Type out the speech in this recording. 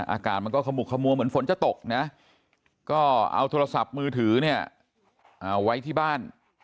อากาศมันก็ขมุกขมัวเหมือนฝนจะตกนะก็เอาโทรศัพท์มือถือเนี่ยไว้ที่บ้าน